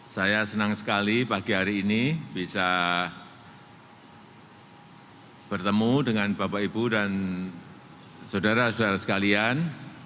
saya senang sekali pagi hari ini bisa bertemu dengan bapak ibu dan saudara saudara sekalian